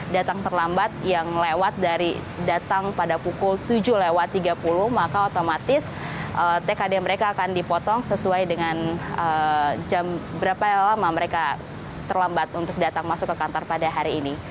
datang terlambat yang lewat dari datang pada pukul tujuh lewat tiga puluh maka otomatis tkd mereka akan dipotong sesuai dengan jam berapa lama mereka terlambat untuk datang masuk ke kantor pada hari ini